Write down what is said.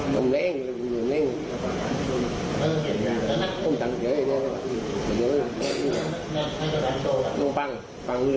จะบางมีกันไม่มีเคยไปเที่ยงกันมาก